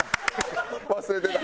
忘れてた。